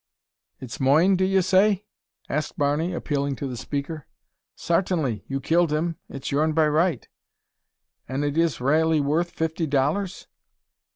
"It's moine, dev yez say?" asked Barney, appealing to the speaker. "Sartinly; you killed him. It's your'n by right." "An' it is raaly worth fifty dollars?"